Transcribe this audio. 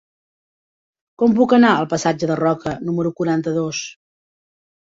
Com puc anar al passatge de Roca número quaranta-dos?